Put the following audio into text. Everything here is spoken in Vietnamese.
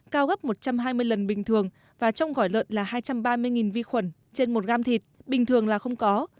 cao gấp một trăm hai mươi lần bình thường và trong gói lợn là hai trăm ba mươi vi khuẩn trên một gam thịt bình thường là không có